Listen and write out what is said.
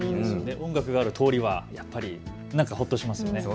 音楽がある通りはやっぱりほっとしますよね。